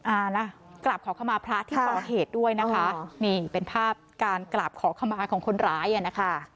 อ่าล่ะกราบขอเข้ามาพระที่ก่อเหตุด้วยนะคะนี่เป็นภาพการกราบขอขมาของคนร้ายอ่ะนะคะ